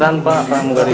nggak sistem dikutuk